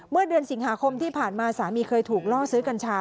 เมื่อเดือนสิงหาคมที่ผ่านมาสามีเคยถูกล่อซื้อกัญชา